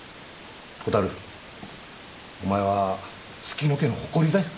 蛍お前は月乃家の誇りだよ。